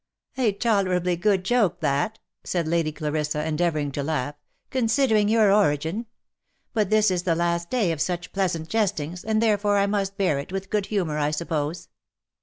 " A tolerably good joke that," said Lady Clarissa, endeavouring to laugh, u considering your origin ; but this is the last day of such pleasant jestings, and therefore I must bear it with good humour I suppose."